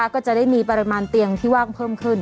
ก็จะได้มีปริมาณเตียงที่ว่างเพิ่มขึ้น